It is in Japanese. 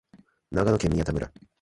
長野県宮田村